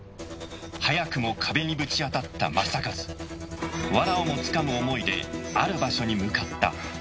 早くも壁にぶち当たった正一わらをもつかむ思いである場所に向かった